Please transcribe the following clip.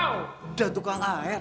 ada tukang air